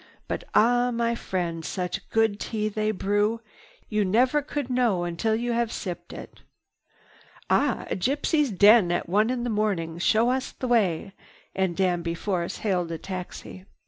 But, ah my friend, such good tea as they brew! You never could know until you have sipped it." "Ah, a gypsy's den at one in the morning! Show us the way." And Danby hailed a taxi.